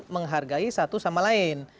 menghargai satu sama lain